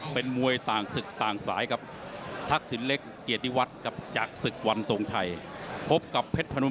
ครับโอ้โหนัดส่งท้ายปีเก่าต้อนรับปีใหม่พี่ชัยใช่ครับ